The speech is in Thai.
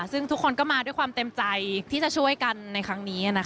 ซึ่งทุกคนก็มาด้วยความเต็มใจที่จะช่วยกันในครั้งนี้